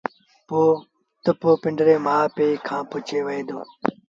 تا پنڊري مري مآ پي کآݩ پُڇي وهي دو